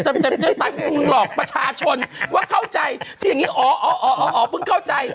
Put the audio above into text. มึงหลอกประชาชนว่าเข้าใจที่อย่างนี้อ๋ออ๋ออ๋อเพิ่งเข้าใจ